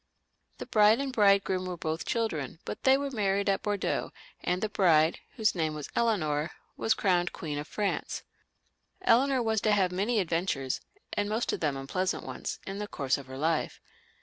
The bride and bridegroom were both children, but they were married at Bordeaux, and the bride, whose name was Eleanor, was crowned Queen of Franca Eleanor was to have many adventures, and most of them unpleasant ones, in the course of her life.